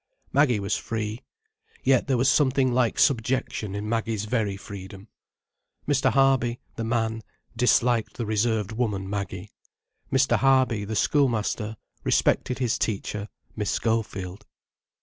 Maggie was free. Yet there was something like subjection in Maggie's very freedom. Mr. Harby, the man, disliked the reserved woman, Maggie. Mr. Harby, the schoolmaster, respected his teacher, Miss Schofield.